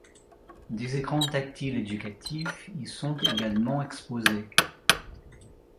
Des écrans tactiles éducatifs y sont également exposés.